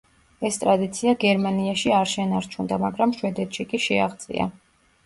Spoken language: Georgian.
ეს ტრადიცია გერმანიაში არ შენარჩუნდა, მაგრამ შვედეთში კი შეაღწია.